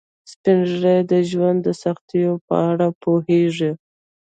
سپین ږیری د ژوند د سختیو په اړه پوهیږي